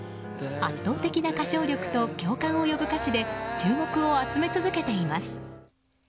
圧倒的な歌唱力と共感を呼ぶ歌詞で注目を集め続けています。